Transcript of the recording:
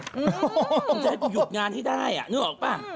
กูจะให้กูหยุดงานให้ได้นึกออกป่ะ